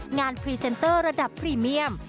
พรีเซนเตอร์ระดับพรีเมียม